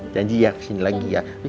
janji ya kesini lagi ya